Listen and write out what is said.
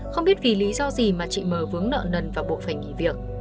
không biết vì lý do gì mà chị mờ vướng nợ nần vào bộ phành nghỉ việc